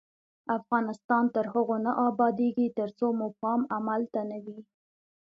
افغانستان تر هغو نه ابادیږي، ترڅو مو پام عمل ته نه وي.